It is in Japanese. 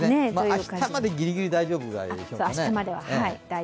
明日までギリギリ大丈夫くらいですかね。